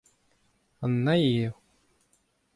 Annaig eo .